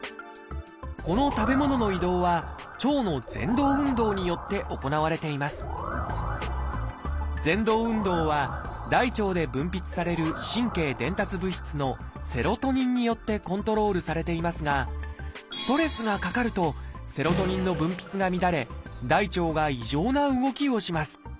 この食べ物の移動は腸のぜん動運動によって行われていますぜん動運動は大腸で分泌される神経伝達物質の「セロトニン」によってコントロールされていますがストレスがかかるとセロトニンの分泌が乱れ大腸が異常な動きをします。